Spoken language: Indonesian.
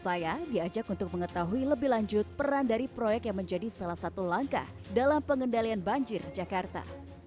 saya diajak untuk mengetahui lebih lanjut peran dari proyek yang menjadi salah satu langkah dalam pengendalian banjir jakarta